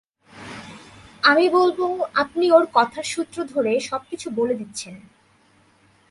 আমি বলবো, আপনি ওর কথার সূত্র ধরে সবকিছু বলে দিচ্ছেন।